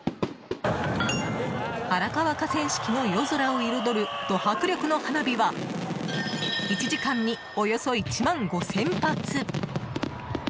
荒川河川敷の夜空を彩るド迫力の花火は１時間におよそ１万５０００発！